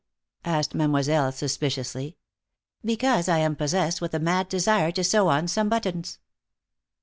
asked Mademoiselle, suspiciously. "Because I am possessed with a mad desire to sew on some buttons."